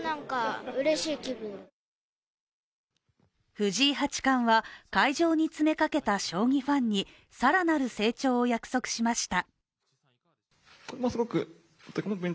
藤井八冠は、会場に詰めかけた将棋ファンに更なる成長を約束しました。